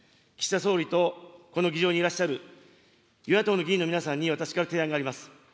岸田総理とこの議場にいらっしゃる与野党の議員の皆さんに私から提案があります。